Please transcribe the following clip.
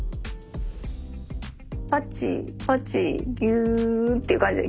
パチパチギュッていう感じで。